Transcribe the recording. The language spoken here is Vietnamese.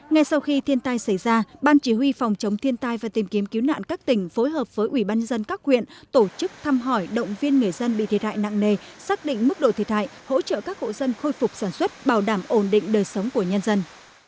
ngay sau khi thiên tai xảy ra ban chỉ huy phòng chống thiên tai và tìm kiếm cứu nạn các tỉnh phối hợp với ủy ban dân các huyện tổ chức thăm hỏi động viên người dân bị thiệt hại nặng nề xác định mức độ thiệt hại hỗ trợ các hộ dân khôi phục sản xuất bảo đảm ổn định đời sống của nhân dân